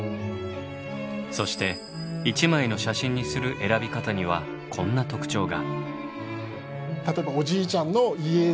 そして１枚の写真にする選び方にはこんな特徴が。